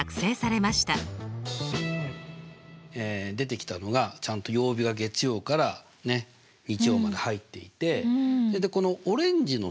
出てきたのがちゃんと曜日が月曜から日曜まで入っていてでこのオレンジの線かな？